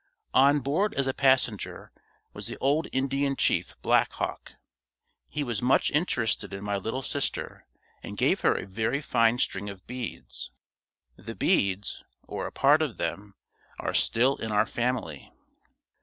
On board as a passenger, was the old Indian Chief, Black Hawk. He was much interested in my little sister and gave her a very fine string of beads. The beads, or a part of them, are still in our family.